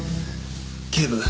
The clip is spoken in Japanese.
警部。